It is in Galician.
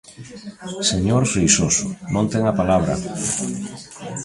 Señor Freixoso, non ten a palabra.